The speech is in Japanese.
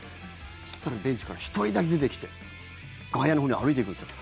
そしたらベンチから１人だけ出てきて外野のほうに歩いていくんですよ。